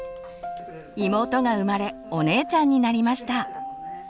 妹が生まれお姉ちゃんになりました。